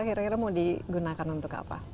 kira kira mau digunakan untuk apa